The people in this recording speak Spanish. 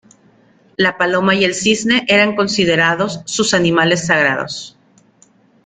La paloma y el cisne eran considerados sus animales sagrados.